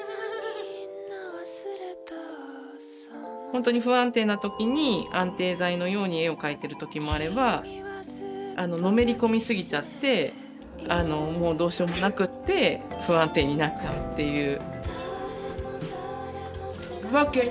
本当に不安定な時に安定剤のように絵を描いている時もあればのめり込み過ぎちゃってもうどうしようもなくって不安定になっちゃうっていう。